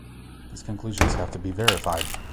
These conclusions have to be verified.